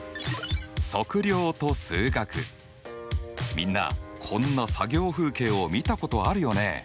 みんなこんな作業風景を見たことあるよね。